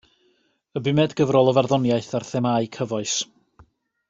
Y bumed gyfrol o farddoniaeth ar themâu cyfoes.